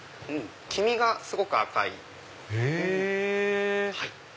黄身がすごく赤い。へぇ！